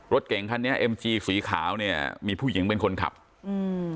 รถเก่งคันนี้เอ็มจีสีขาวเนี้ยมีผู้หญิงเป็นคนขับอืม